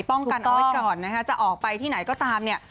กันเอาไว้ก่อนนะคะจะออกไปที่ไหนก็ตามเนี่ย